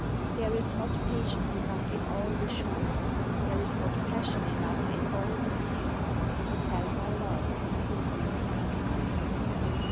There is not patience enough in all the shore, There is not passion enough in all the sea, To tell my love for thee.